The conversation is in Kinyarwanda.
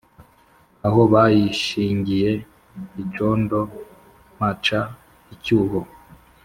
Aho bayishingiye icondo mpaca icyuho